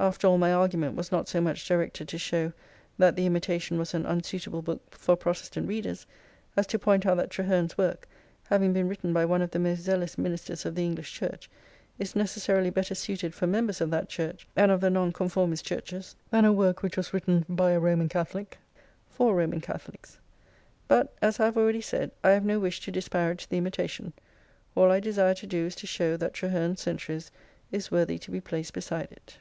After all, my argument was not so much directed to show that the " Imitation" was an unsuitable book for Protestant readers, as to point out that Traherne's work, having been written by one of the most zealous ministers of the English Church, is necessarily better suited for members of that Church, and of the Nonconformist Churches, than a work which was written by a Roman Catholic for Roman Catholics. But, as I have already said, I have no wish to disparage the " Imitation "; all I desire to do is to show that Traherne's " Centuries " is worthy to be placed beside it.